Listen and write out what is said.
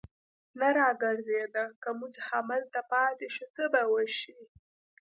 نه را ګرځېده، که موږ همدلته پاتې شو، څه به وشي.